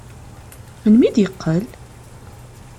Melmi d-yeqqel?